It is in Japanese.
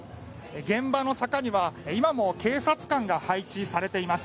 現場の坂には今も警察官が配置されています。